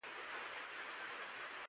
راکټ د برید وسایلو کې حسابېږي